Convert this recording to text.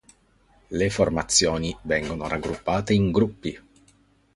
Le formazioni vengono raggruppate in "gruppi".